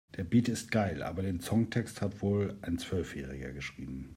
Der Beat ist geil, aber den Songtext hat wohl ein Zwölfjähriger geschrieben.